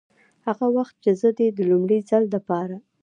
هغه وخت چې زه دې د لومړي ځل دپاره